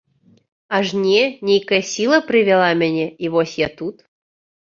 Аж не, нейкая сіла прывяла мяне, і вось я тут.